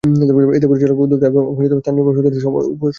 এতে পরিচালক, উদ্যোক্তা এবং ব্যবসায়ীদের সম্মানজনক উপস্থিতি রয়েছে।